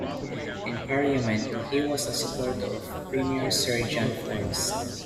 In parliament, he was a supporter of Premier Sir John Forrest.